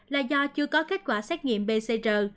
là do chưa có kết quả xét nghiệm pcr